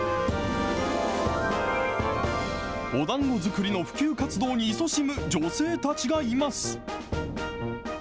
おだんご作りの普及活動にいそしむ女性たちがいます。